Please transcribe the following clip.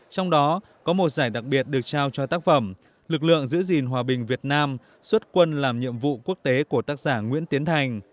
trong đó có một giải đặc biệt được trao cho tác phẩm lực lượng giữ gìn hòa bình việt nam xuất quân làm nhiệm vụ quốc tế của tác giả nguyễn tiến thành